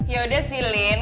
yaudah sih lin